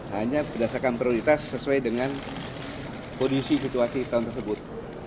hanya berdasarkan prioritas sesuai dengan kondisi situasi tahun tersebut